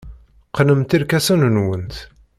Qqnemt irkasen-nwent.